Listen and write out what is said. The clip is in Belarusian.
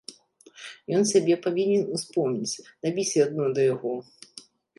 Ён цябе павінен успомніць, дабіся адно да яго.